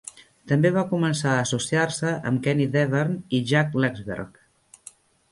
També va començar a associar-se amb Kenny Davern i Jack Lesberg.